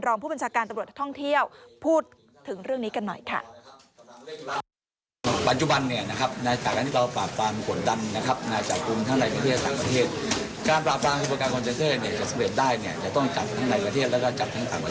รองผู้บัญชาการตำรวจท่องเที่ยวพูดถึงเรื่องนี้กันหน่อยค่ะ